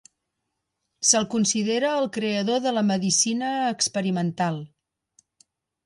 Se'l considera el creador de la medicina experimental.